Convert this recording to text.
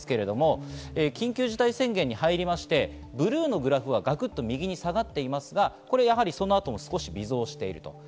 緊急事態宣言に入りまして、ブルーのグラフはガクっと右に下がって、その後も微増しています。